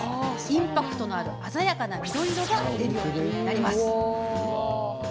インパクトのある鮮やかな緑色が出るようになります。